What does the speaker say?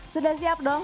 sudah siap dong